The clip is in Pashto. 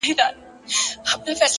صبر د هیلو اوږد ساتونکی دی